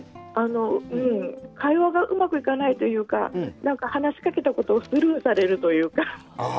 会話がうまくいかないというか話しかけたことをスルーされるというか。